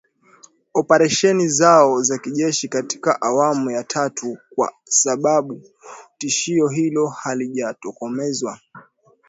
oparesheni zao za kijeshi katika awamu ya tatu kwa sababu tishio hilo halijatokomezwa